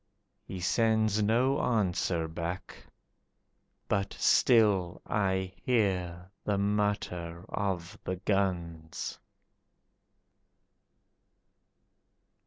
He sends no answer back, But still I hear the mutter of the guns.